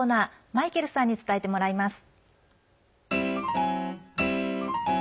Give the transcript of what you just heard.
マイケルさんに伝えてもらいます。